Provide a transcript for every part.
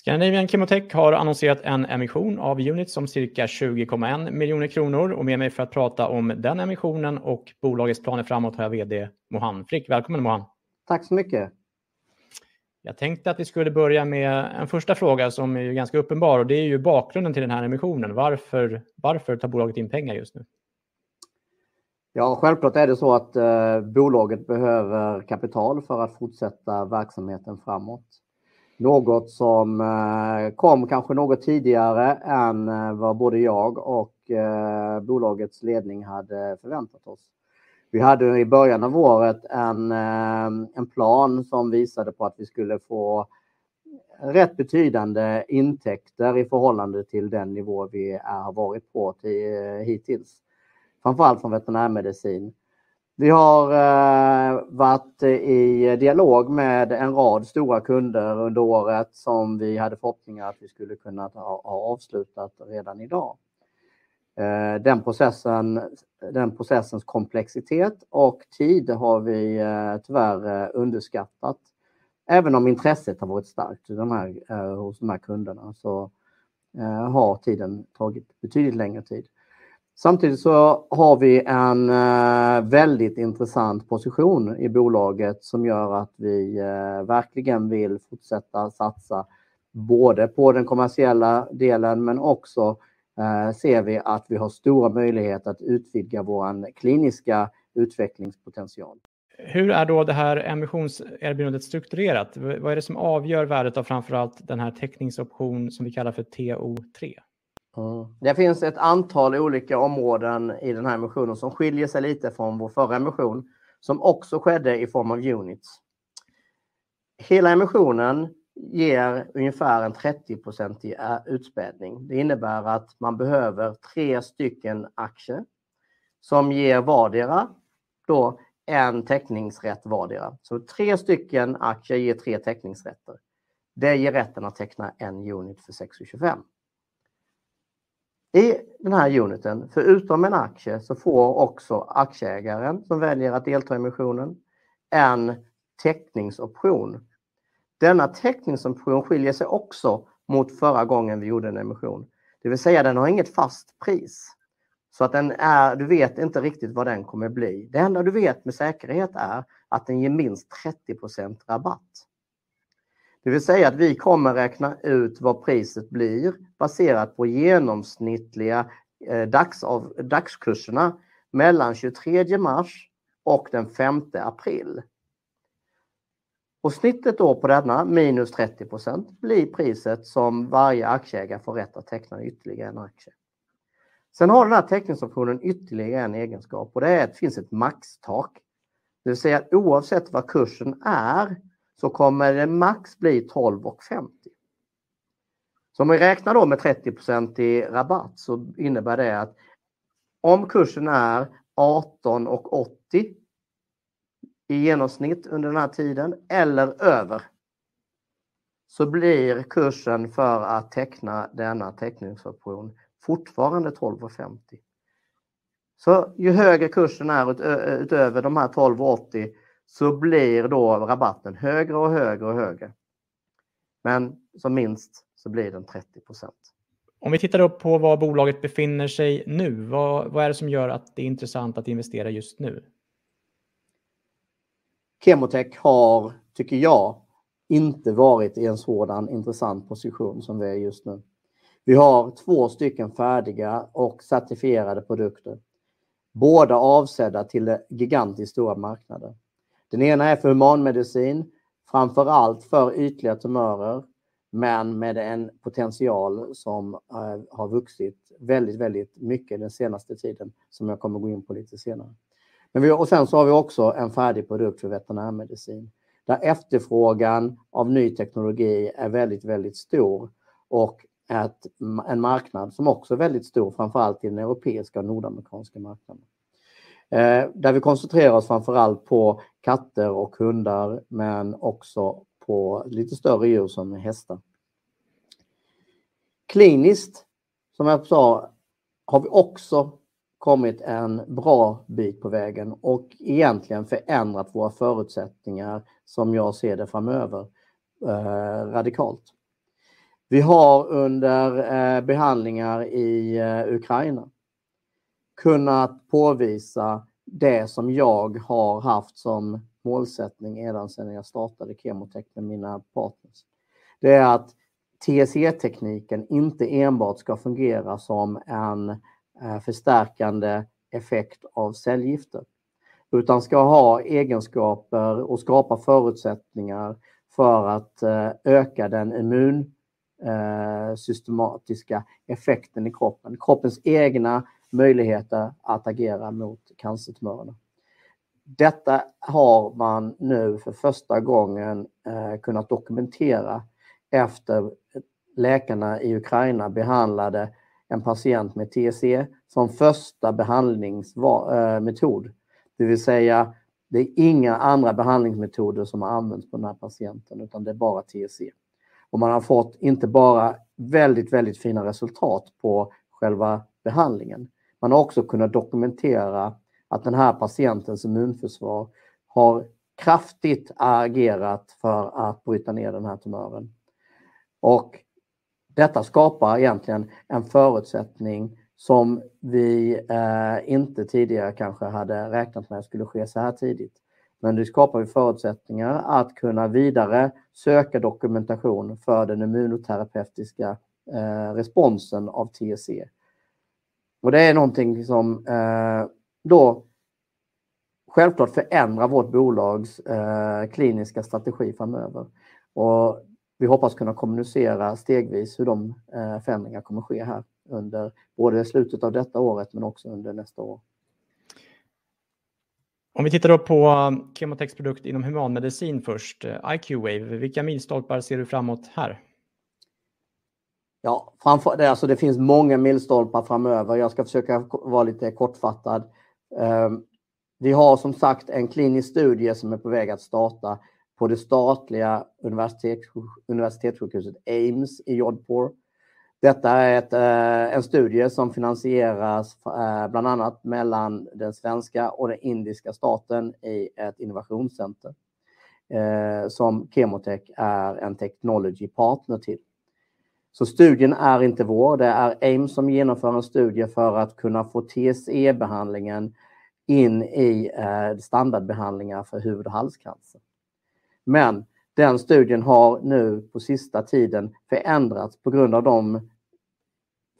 Scandinavian ChemoTech har annonserat en emission av units om cirka 20.1 million kronor och med mig för att prata om den emissionen och bolagets planer framåt har jag VD Mohan Frick. Välkommen, Mohan. Tack så mycket. Jag tänkte att vi skulle börja med en första fråga som är ju ganska uppenbar och det är ju bakgrunden till den här emissionen. Varför, varför tar bolaget in pengar just nu? Ja, självklart är det så att bolaget behöver kapital för att fortsätta verksamheten framåt. Något som kom kanske något tidigare än vad både jag och bolagets ledning hade förväntat oss. Vi hade i början av året en plan som visade på att vi skulle få rätt betydande intäkter i förhållande till den nivå vi har varit på hittills, framför allt från veterinärmedicin. Vi har varit i dialog med en rad stora kunder under året som vi hade förhoppningar att vi skulle kunnat ha avslutat redan i dag. Den processens komplexitet och tid har vi tyvärr underskattat. Även om intresset har varit starkt hos de här kunderna så har tiden tagit betydligt längre tid. Samtidigt så har vi en väldigt intressant position i bolaget som gör att vi verkligen vill fortsätta satsa både på den kommersiella delen, men också ser vi att vi har stora möjligheter att utvidga vår kliniska utvecklingspotential. Hur är då det här emissionserbjudandet strukturerat? Vad är det som avgör värdet av framför allt den här teckningsoption som vi kallar för TO3? Det finns ett antal olika områden i den här emissionen som skiljer sig lite från vår förra emission som också skedde i form av units. Hela emissionen ger ungefär en 30-procentig utspädning. Det innebär att man behöver 3 stycken aktier som ger vardera då en teckningsrätt vardera. 3 stycken aktier ger 3 teckningsrätter. Det ger rätten att teckna en unit för 6.25. I den här uniten, förutom en aktie, så får också aktieägaren som väljer att delta i emissionen en teckningsoption. Denna teckningsoption skiljer sig också mot förra gången vi gjorde en emission. Det vill säga den har inget fast pris. Så att den är, du vet inte riktigt vad den kommer bli. Det enda du vet med säkerhet är att den ger minst 30% rabatt. Det vill säga att vi kommer räkna ut vad priset blir baserat på genomsnittliga dagskurserna mellan 23 mars och 5 april. Snittet då på denna minus 30% blir priset som varje aktieägare får rätt att teckna ytterligare en aktie. Den här teckningsoptionen har ytterligare en egenskap och det är att det finns ett maxtak. Det vill säga att oavsett vad kursen är, så kommer det max bli 12.50. Om vi räknar då med 30% i rabatt så innebär det att om kursen är 18.80 i genomsnitt under den här tiden eller över, så blir kursen för att teckna denna teckningsoption fortfarande SEK 12.50. Ju högre kursen är utöver de här 12.80, så blir då rabatten högre och högre och högre. Som minst så blir den 30%. Om vi tittar då på var bolaget befinner sig nu, vad är det som gör att det är intressant att investera just nu? ChemoTech har, tycker jag, inte varit i en sådan intressant position som vi är just nu. Vi har två stycken färdiga och certifierade produkter, båda avsedda till gigantiskt stora marknader. Den ena är för humanmedicin, framför allt för ytliga tumörer, men med en potential som har vuxit väldigt mycket den senaste tiden som jag kommer gå in på lite senare. Men vi har och sen så har vi också en färdig produkt för veterinärmedicin, där efterfrågan av ny teknologi är väldigt stor och en marknad som också är väldigt stor, framför allt i den europeiska och nordamerikanska marknaden. Där vi koncentrerar oss framför allt på katter och hundar, men också på lite större djur som hästar. Kliniskt, som jag sa, har vi också kommit en bra bit på vägen och egentligen förändrat våra förutsättningar som jag ser det framöver, radikalt. Vi har under behandlingar i Ukraina kunnat påvisa det som jag har haft som målsättning redan sedan jag startade ChemoTech med mina partners. Det är att TSE-tekniken inte enbart ska fungera som en förstärkande effekt av cellgifter, utan ska ha egenskaper och skapa förutsättningar för att öka den immunsystematiska effekten i kroppen. Kroppens egna möjligheter att agera mot cancertumörerna. Detta har man nu för första gången kunnat dokumentera efter läkarna i Ukraina behandlade en patient med TSE som första behandlingsmetod. Det vill säga, det är inga andra behandlingsmetoder som har använts på den här patienten, utan det är bara TSE. Man har fått inte bara väldigt fina resultat på själva behandlingen. Man har också kunnat dokumentera att den här patientens immunförsvar har kraftigt agerat för att bryta ner den här tumören. Detta skapar egentligen en förutsättning som vi inte tidigare kanske hade räknat med skulle ske så här tidigt. Det skapar ju förutsättningar att kunna vidare söka dokumentation för den immunoterapeutiska responsen av TSE. Det är nånting som då självklart förändrar vårt bolags kliniska strategi framöver. Vi hoppas kunna kommunicera stegvis hur de förändringar kommer ske här under både slutet av detta året men också under nästa år. Om vi tittar då på ChemoTech's produkt inom humanmedicin först, IQwave. Vilka milstolpar ser du framåt här? Ja, framför det alltså, det finns många milstolpar framöver. Jag ska försöka vara lite kortfattad. Vi har som sagt en klinisk studie som är på väg att starta på det statliga universitetssjukhuset AIIMS i Jodhpur. Detta är en studie som finansieras bland annat mellan den svenska och den indiska staten i ett innovationscenter, som ChemoTech är en technology partner till. Studien är inte vår. Det är AIIMS som genomför en studie för att kunna få TSE-behandlingen in i standardbehandlingar för hud- och halscancer. Men den studien har nu på sista tiden förändrats på grund av de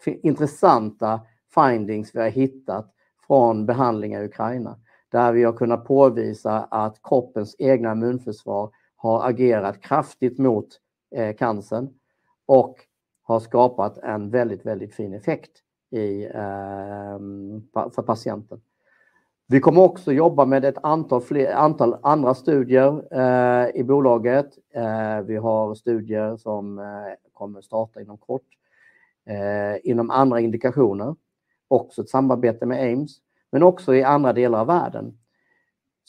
intressanta findings vi har hittat från behandlingar i Ukraina, där vi har kunnat påvisa att kroppens egna immunförsvar har agerat kraftigt mot cancern och har skapat en väldigt fin effekt för patienten. Vi kommer också jobba med ett antal andra studier i bolaget. Vi har studier som kommer starta inom kort inom andra indikationer. Också ett samarbete med AIIMS, men också i andra delar av världen.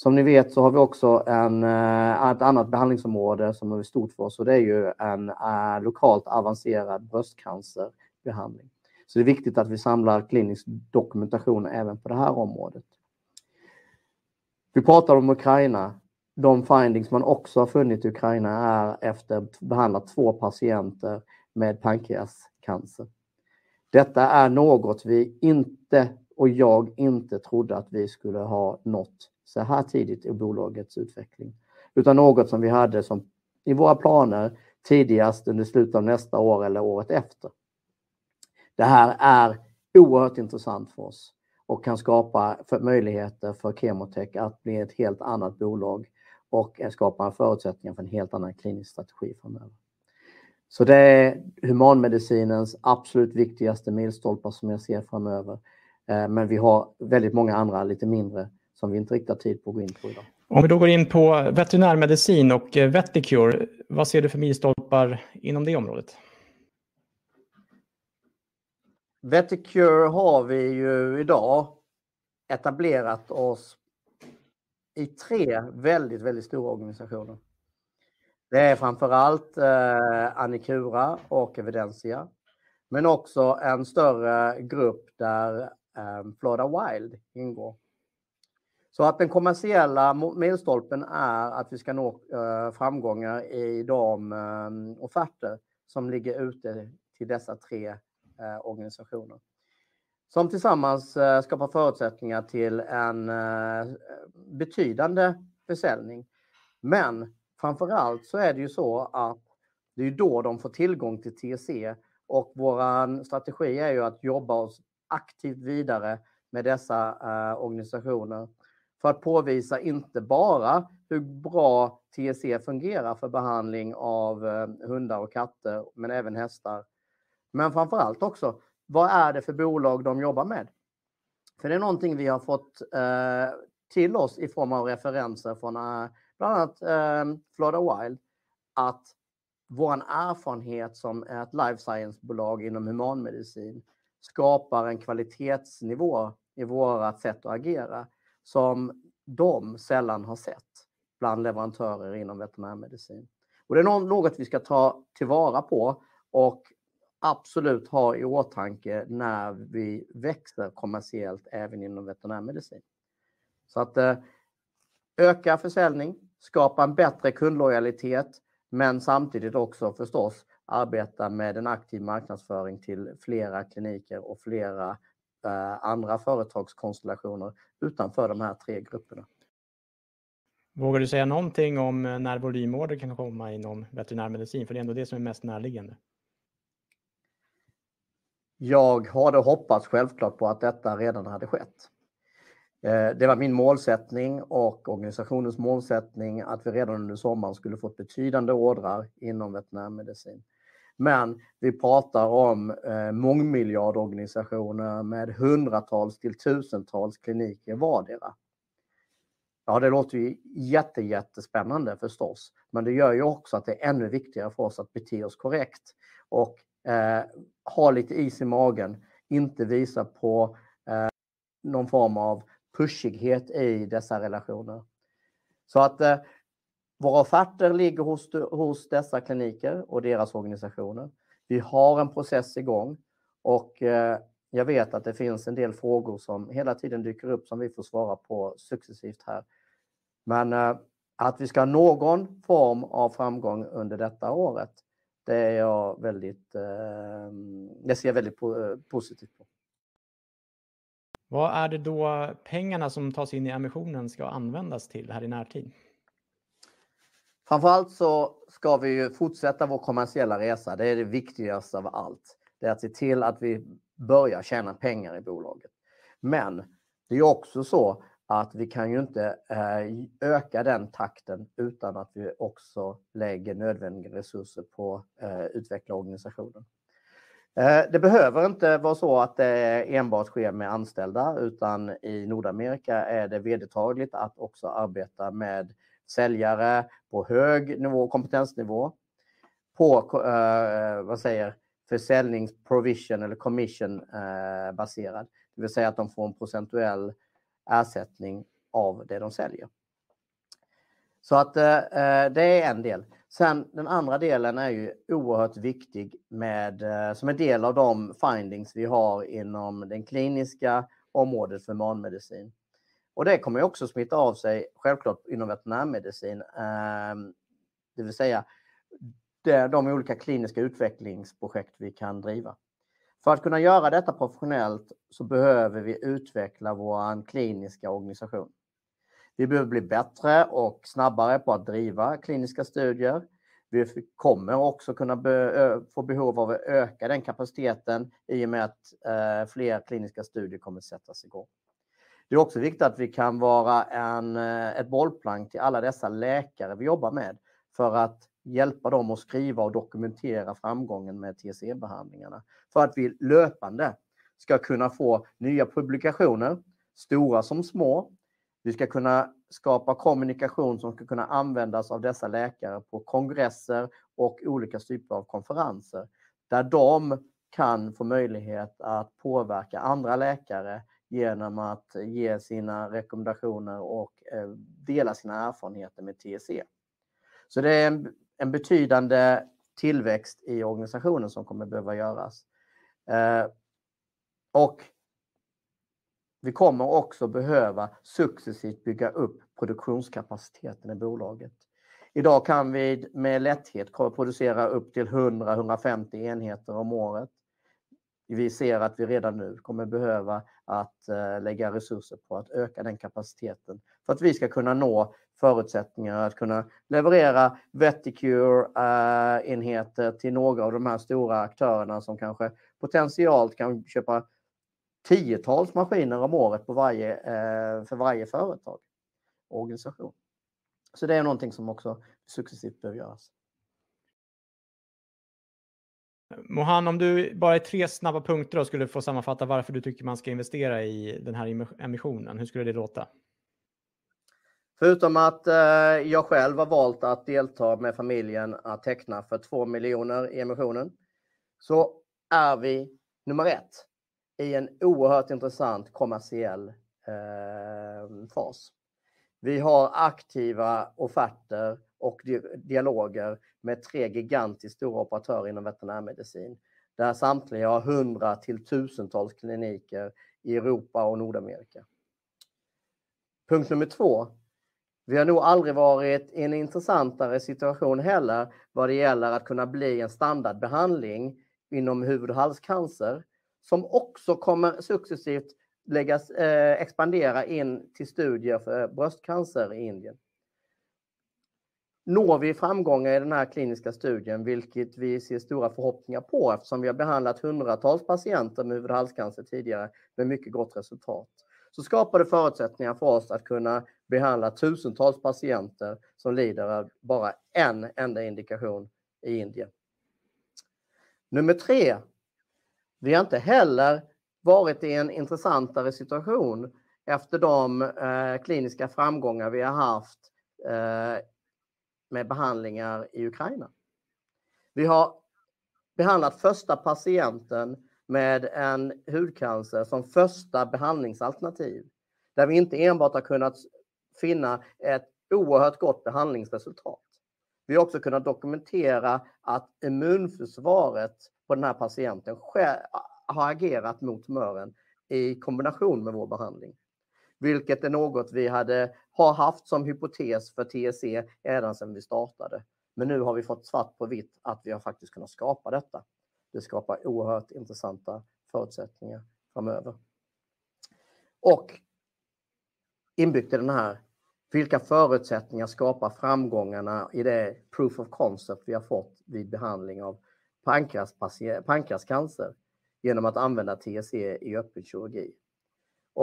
Som ni vet så har vi också ett annat behandlingsområde som är stort för oss och det är ju en lokalt avancerad bröstcancerbehandling. Så det är viktigt att vi samlar klinisk dokumentation även på det här området. Vi pratar om Ukraina. De findings man också har funnit i Ukraina är efter behandlat två patienter med pankreascancer. Detta är något vi inte och jag inte trodde att vi skulle ha nått såhär tidigt i bolagets utveckling, utan något som vi hade som i våra planer tidigast under slutet av nästa år eller året efter. Det här är oerhört intressant för oss och kan skapa möjligheter för ChemoTech att bli ett helt annat bolag och skapa en förutsättning för en helt annan klinisk strategi framöver. Det är humanmedicinens absolut viktigaste milstolpar som jag ser framöver. Vi har väldigt många andra, lite mindre som vi inte riktar tid på att gå in på i dag. Om vi då går in på veterinärmedicin och vetIQure™. Vad ser du för milstolpar inom det området? vetIQure har vi ju i dag etablerat oss i tre väldigt stora organisationer. Det är framför allt AniCura och Evidensia, men också en större grupp där Frölunda ingår. Den kommersiella milstolpen är att vi ska nå framgångar i de offerter som ligger ute till dessa tre organisationer. Som tillsammans skapar förutsättningar till en betydande beställning. Framför allt så är det ju så att det är ju då de får tillgång till TSE och vår strategi är ju att jobba oss aktivt vidare med dessa organisationer för att påvisa inte bara hur bra TSE fungerar för behandling av hundar och katter, men även hästar. Framför allt också, vad är det för bolag de jobbar med? För det är nånting vi har fått, till oss i form av referenser från bland annat Florida Wild att våran erfarenhet som ett life science-bolag inom humanmedicin skapar en kvalitetsnivå i vårat sätt att agera som de sällan har sett bland leverantörer inom veterinärmedicin. Och det är något vi ska ta tillvara på och absolut ha i åtanke när vi växer kommersiellt även inom veterinärmedicin. Så att öka försäljning, skapa en bättre kundlojalitet, men samtidigt också förstås arbeta med en aktiv marknadsföring till flera kliniker och flera andra företagskonstellationer utanför de här tre grupperna. Vågar du säga nånting om när volymorder kan komma inom veterinärmedicin? För det är ändå det som är mest närliggande. Jag hade hoppats självklart på att detta redan hade skett. Det var min målsättning och organisationens målsättning att vi redan under sommaren skulle få betydande ordrar inom veterinärmedicin. Men vi pratar om mångmiljardorganisationer med hundratals till tusentals kliniker vardera. Ja, det låter ju jättespännande förstås, men det gör ju också att det är ännu viktigare för oss att bete oss korrekt och ha lite is i magen, inte visa på nån form av pushighet i dessa relationer. Så att våra offerter ligger hos dessa kliniker och deras organisationer. Vi har en process i gång och jag vet att det finns en del frågor som hela tiden dyker upp som vi får svara på successivt här. Men att vi ska någon form av framgång under detta året, det ser jag väldigt positivt på. Vad är det då pengarna som tas in i emissionen ska användas till här i närtid? Framför allt så ska vi fortsätta vår kommersiella resa. Det är det viktigaste av allt. Det är att se till att vi börjar tjäna pengar i bolaget. Men det är också så att vi kan ju inte öka den takten utan att vi också lägger nödvändiga resurser på att utveckla organisationen. Det behöver inte vara så att det enbart sker med anställda, utan i Nordamerika är det vedertagligt att också arbeta med säljare på hög nivå, kompetensnivå, på vad säger försäljningsprovision eller commission-baserad. Det vill säga att de får en procentuell ersättning av det de säljer. Så att det är en del. Sen den andra delen är ju oerhört viktig med, som en del av de findings vi har inom det kliniska området för humanmedicin. Och det kommer också smittar av sig självklart inom veterinärmedicin. Det vill säga de olika kliniska utvecklingsprojekt vi kan driva. För att kunna göra detta professionellt så behöver vi utveckla vår kliniska organisation. Vi behöver bli bättre och snabbare på att driva kliniska studier. Vi kommer också kunna få behov av att öka den kapaciteten i och med att fler kliniska studier kommer sättas i gång. Det är också viktigt att vi kan vara ett bollplank till alla dessa läkare vi jobbar med för att hjälpa dem att skriva och dokumentera framgången med TSE-behandlingarna. För att vi löpande ska kunna få nya publikationer, stora som små. Vi ska kunna skapa kommunikation som ska kunna användas av dessa läkare på kongresser och olika typer av konferenser. Där de kan få möjlighet att påverka andra läkare genom att ge sina rekommendationer och dela sina erfarenheter med TSE. Så det är en betydande tillväxt i organisationen som kommer behöva göras. Vi kommer också behöva successivt bygga upp produktionskapaciteten i bolaget. Idag kan vi med lätthet producera upp till 100, 150 enheter om året. Vi ser att vi redan nu kommer behöva att lägga resurser på att öka den kapaciteten för att vi ska kunna nå förutsättningar att kunna leverera vetIQure™-enheter till några av de här stora aktörerna som kanske potentiellt kan köpa tiotals maskiner om året på varje, för varje företag och organisation. Det är någonting som också successivt behöver göras. Mohan, om du bara i tre snabba punkter skulle få sammanfatta varför du tycker man ska investera i den här emissionen. Hur skulle det låta? Förutom att jag själv har valt att delta med familjen att teckna för 2 miljoner i emissionen, så är vi nummer ett i en oerhört intressant kommersiell fas. Vi har aktiva offerter och dialoger med tre gigantiskt stora operatörer inom veterinärmedicin, där samtliga har 100 till tusentals kliniker i Europa och Nordamerika. Punkt nummer två. Vi har nog aldrig varit i en intressantare situation heller vad det gäller att kunna bli en standardbehandling inom huvud- och halscancer, som också kommer successivt läggas, expandera in till studier för bröstcancer i Indien. Når vi framgångar i den här kliniska studien, vilket vi ser stora förhoppningar på, eftersom vi har behandlat hundratals patienter med huvud- och halscancer tidigare med mycket gott resultat, så skapar det förutsättningar för oss att kunna behandla tusentals patienter som lider av bara en enda indikation i Indien. Nummer tre. Vi har inte heller varit i en intressantare situation efter de kliniska framgångar vi har haft med behandlingar i Ukraina. Vi har behandlat första patienten med en hudcancer som första behandlingsalternativ, där vi inte enbart har kunnat finna ett oerhört gott behandlingsresultat. Vi har också kunnat dokumentera att immunförsvaret på den här patienten har agerat mot tumören i kombination med vår behandling, vilket är något vi har haft som hypotes för TSE redan sedan vi startade. Men nu har vi fått svart på vitt att vi har faktiskt kunnat skapa detta. Det skapar oerhört intressanta förutsättningar framöver. Inbyggt i den här, vilka förutsättningar skapar framgångarna i det proof of concept vi har fått vid behandling av pankreascancer genom att använda TSE i öppen kirurgi.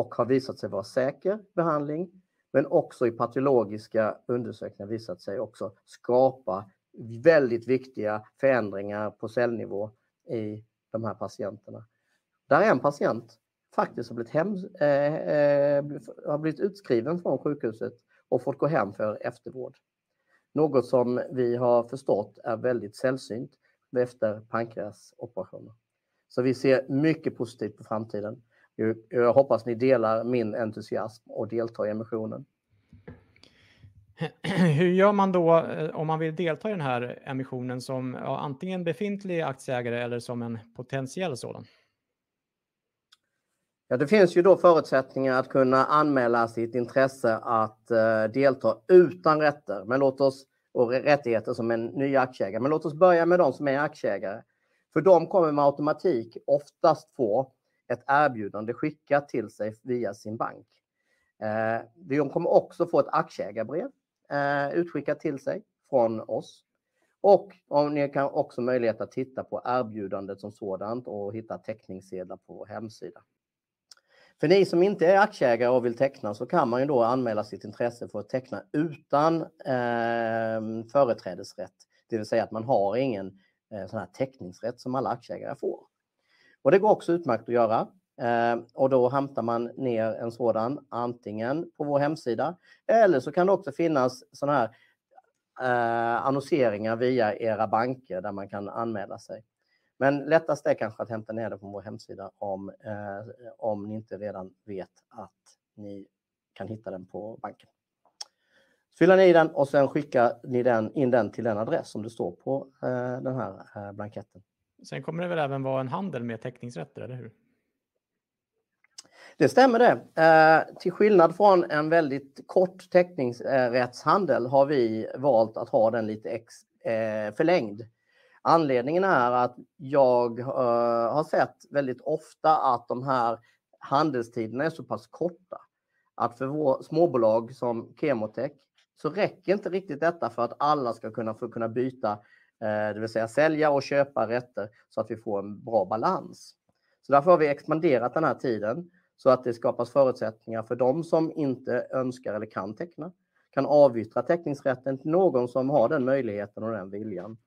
Har visat sig vara säker behandling, men också i patologiska undersökningar visat sig också skapa väldigt viktiga förändringar på cellnivå i de här patienterna. Där en patient faktiskt har blivit utskriven från sjukhuset och fått gå hem för eftervård. Något som vi har förstått är väldigt sällsynt efter pankreasoperationer. Vi ser mycket positivt på framtiden. Jag hoppas ni delar min entusiasm och delta i emissionen. Hur gör man då om man vill delta i den här emissionen som antingen befintlig aktieägare eller som en potentiell sådan? Ja, det finns ju då förutsättningar att kunna anmäla sitt intresse att delta utan rätter. Låt oss börja med de som är aktieägare. För de kommer med automatik oftast få ett erbjudande skickat till sig via sin bank. De kommer också få ett aktieägarbrev utskickat till sig från oss. Ni har också möjlighet att titta på erbjudandet som sådant och hitta teckningssedlar på vår hemsida. För ni som inte är aktieägare och vill teckna så kan man ju då anmäla sitt intresse för att teckna utan företrädesrätt. Det vill säga att man har ingen sån här teckningsrätt som alla aktieägare får. Det går också utmärkt att göra. Då hämtar man ner en sådan antingen på vår hemsida eller så kan det också finnas sådana här annonseringar via era banker där man kan anmäla sig. Men lättast är kanske att hämta ner det på vår hemsida om ni inte redan vet att ni kan hitta den på banken. Fyller ni i den och sen skickar ni den in till den adress som det står på den här blanketten. Sen kommer det väl även vara en handel med teckningsrätter, eller hur? Det stämmer det. Till skillnad från en väldigt kort teckningsrättshandel har vi valt att ha den lite förlängd. Anledningen är att jag har sett väldigt ofta att de här handelstiderna är så pass korta att för småbolag som ChemoTech så räcker inte riktigt detta för att alla ska kunna byta, det vill säga sälja och köpa rätter så att vi får en bra balans. Så därför har vi expanderat den här tiden så att det skapas förutsättningar för de som inte önskar eller kan teckna, kan avyttra teckningsrätten till någon som har den möjligheten och den viljan.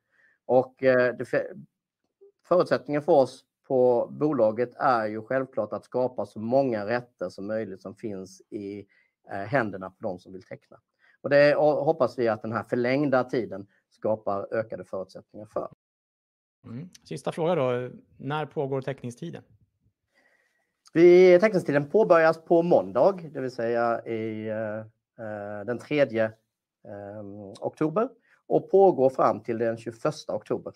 Förutsättningen för oss på bolaget är ju självklart att skapa så många rätter som möjligt som finns i händerna på de som vill teckna. Det hoppas vi att den här förlängda tiden skapar ökade förutsättningar för. Sista fråga då. När pågår teckningstiden? Teckningstiden påbörjas på måndag, det vill säga i den tredje oktober och pågår fram till den tjugoförsta oktober.